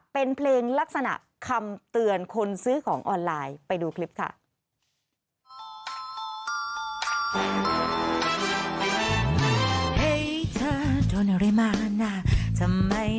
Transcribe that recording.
เป็นเพลงลักษณะคำเตือนคนซื้อของออนไลน์ไปดูคลิปค่ะ